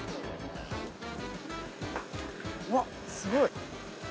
うわすごい。